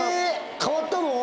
変わったの？